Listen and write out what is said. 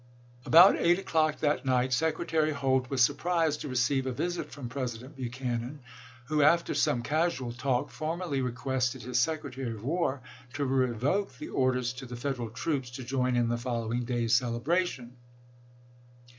About 8 o'clock that night Secretary Holt was surprised to receive a visit from President Buchanan, who, after some casual talk, formally requested his Secretary of War to revoke the orders to the Federal troops to join in the following day's celebration.